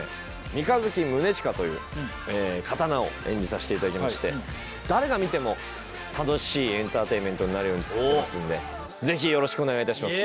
三日月宗近という刀を演じさせていただきまして誰が見ても楽しいエンターテインメントになるように作ってますのでぜひよろしくお願いいたします。